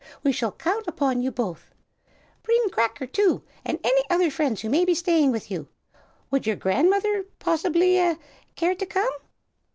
We shall count upon you both. Bring Cracker, too, and any other friends who may be staying with you. Would your grandmother, possibly eh? care to come?"